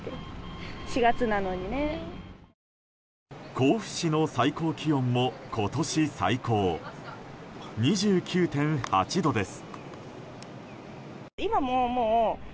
甲府市の最高気温も今年最高２９．８度です。